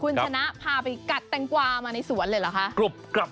คุณชนะพาไปกัดแตงกวามาในสวนเลยเหรอคะ